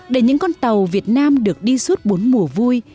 để những con tàu việt nam được đi suốt bốn mùa vui